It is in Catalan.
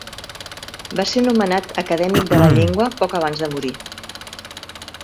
Va ser nomenat acadèmic de la Llengua poc abans de morir.